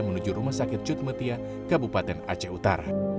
menuju rumah sakit cutmetia kabupaten aceh utara